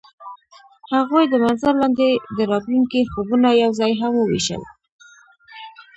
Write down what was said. هغوی د منظر لاندې د راتلونکي خوبونه یوځای هم وویشل.